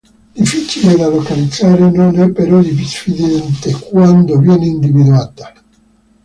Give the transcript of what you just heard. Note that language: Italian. Difficile da localizzare, non è però diffidente quando viene individuata.